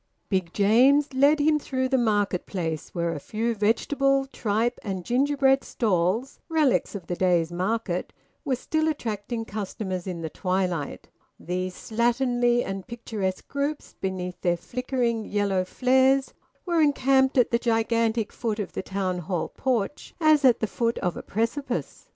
Big James led him through the market place, where a few vegetable, tripe, and gingerbread stalls relics of the day's market were still attracting customers in the twilight. These slatternly and picturesque groups, beneath their flickering yellow flares, were encamped at the gigantic foot of the Town Hall porch as at the foot of a precipice.